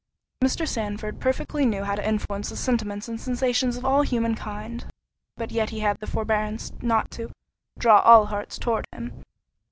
Mr. Sandford perfectly knew how to influence the sentiments and sensations of all human kind, but yet he had the forbearance not to "draw all hearts towards him."